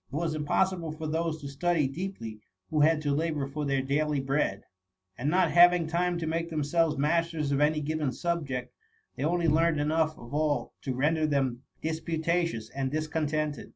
It was impossible for those to study deeply who had to labour for their daily bread ; and not having time to make themselves masters of any given subject, they only learned enough of all to render them disputatious and discontented.